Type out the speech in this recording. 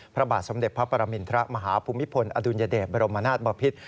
พระบาทสมเด็จพระปรมินทรมาฮภูมิพลอดุลยเดชบรมนาศบพิษ